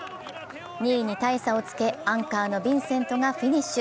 ２位に大差をつけ、アンカーのヴィンセントがフィニッシュ。